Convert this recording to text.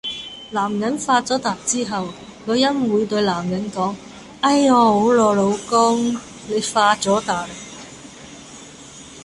男人發咗達以後，女人會對男人講：哎呀好囉，老公，你發咗達